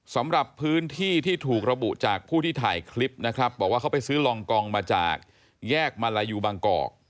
สำหรับพื้นที่ที่ถูกระบุจากผู้ที่ถ่ายคลิปนะครับบอกว่าเขาไปซื้อลองกองมาจากแยกมาลายูบางกอก